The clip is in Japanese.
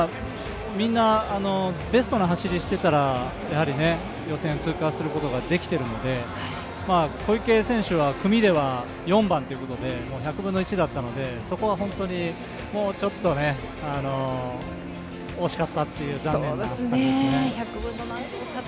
みんなベストな走りをしていたらやはり予選通過することができているので小池選手は組では４番ということで１００分の１だったので、そこは本当に惜しかった、残念です。